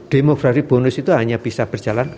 demograri bonus itu hanya bisa berjalan